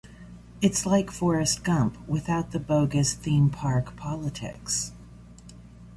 "It's like "Forrest Gump" without the bogus theme-park politics.